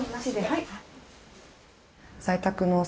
はい。